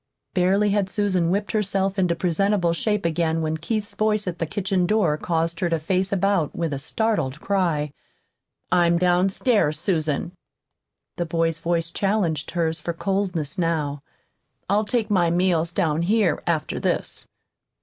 Barely had Susan whipped herself into presentable shape again when Keith's voice at the kitchen door caused her to face about with a startled cry. "I'm downstairs, Susan." The boy's voice challenged hers for coldness now. "I'll take my meals down here, after this."